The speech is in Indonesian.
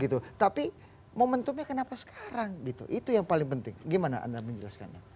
tapi momentumnya kenapa sekarang gitu itu yang paling penting gimana anda menjelaskannya